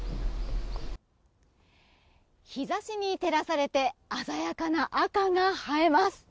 日差しに照らされて鮮やかな赤が映えます。